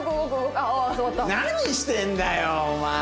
何してんだよお前！